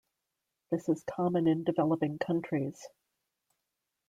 This is common in developing countries.